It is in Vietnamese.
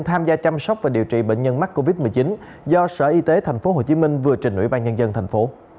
tham gia chăm sóc và điều trị bệnh nhân mắc covid một mươi chín do sở y tế tp hcm vừa trình ubnd tp